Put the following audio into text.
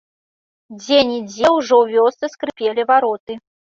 Дзе-нідзе ўжо ў вёсцы скрыпелі вароты.